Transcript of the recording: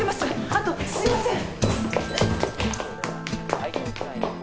あとすいません！